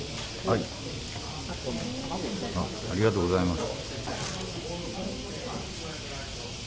ありがとうございます。